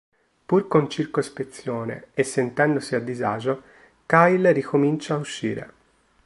Pur con circospezione e sentendosi a disagio, Kyle ricomincia a uscire.